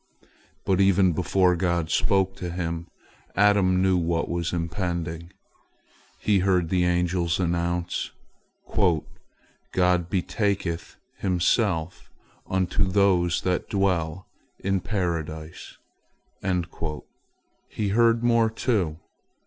But even before God spoke to him, Adam knew what was impending. He heard the angels announce, "God betaketh Himself unto those that dwell in Paradise." He heard more, too.